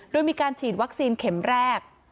โดยมีการฉีดวัคซีนเข็มแรก